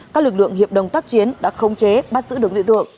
các lực lượng hiệp đồng tác chiến đã không chế bắt giữ được đối tượng